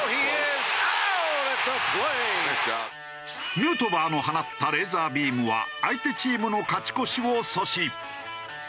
ヌートバーの放ったレーザービームは相手チームの勝ち越しを阻止。